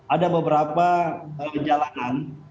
ada beberapa jalanan